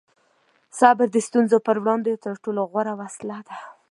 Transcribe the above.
صبر د ستونزو په وړاندې تر ټولو غوره وسله ده.